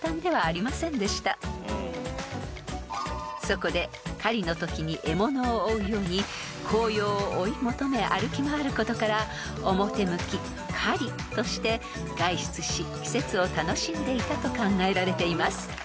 ［そこで狩りのときに獲物を追うように紅葉を追い求め歩き回ることから表向き狩りとして外出し季節を楽しんでいたと考えられています］